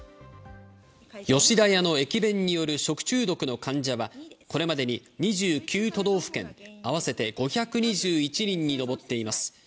吉田屋の駅弁による食中毒の患者は、これまでに２９都道府県、合わせて５２１人にのぼっています。